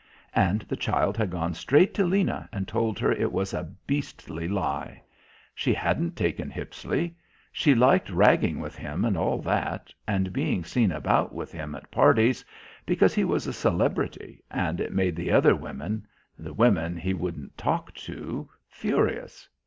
And the child had gone straight to Lena and told her it was a beastly lie. She hadn't taken Hippisley. She liked ragging with him and all that, and being seen about with him at parties, because he was a celebrity and it made the other women, the women he wouldn't talk to, furious.